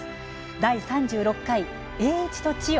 第３６回「栄一と千代」